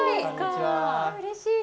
うれしい。